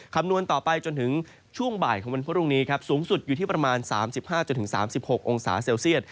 คำนวณต่อไปจนถึงช่วงบ่ายของวันพรุ่งนี้ครับสูงสุดอยู่ที่ประมาณ๓๕๓๖องศาเซลเซียต